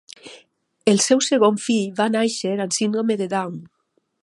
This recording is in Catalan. El seu segon fill va nàixer amb síndrome de Down.